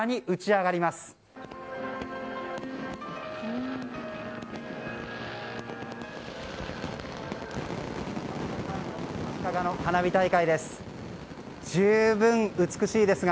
足利の花火大会です。